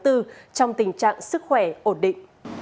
trong tình trạng sức khỏe ổn định